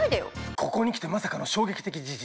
ここに来てまさかの衝撃的事実。